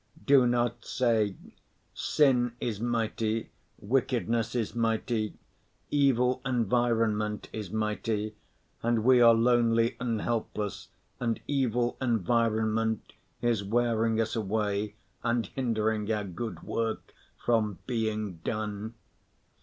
Do not say, "Sin is mighty, wickedness is mighty, evil environment is mighty, and we are lonely and helpless, and evil environment is wearing us away and hindering our good work from being done."